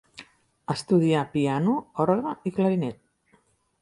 Estudià piano, orgue i clarinet.